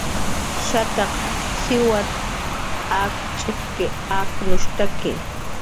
Shataq siwat akw ch'ikki palnushtaki